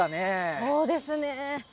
そうですね。